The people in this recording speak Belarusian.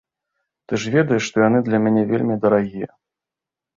Ты ж ведаеш, што яны для мяне вельмі дарагія.